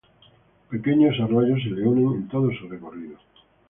Pequeños arroyos se le unen en todo su recorrido.